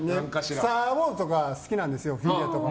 「スター・ウォーズ」とか好きなんですよ、フィギュアとか。